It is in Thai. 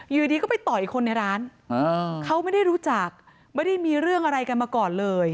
อยู่ดีก็ไปต่อยคนในร้านเขาไม่ได้รู้จักไม่ได้มีเรื่องอะไรกันมาก่อนเลย